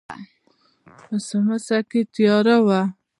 په سمڅه کې تياره وه.